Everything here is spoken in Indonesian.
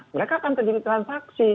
mereka akan terjadi transaksi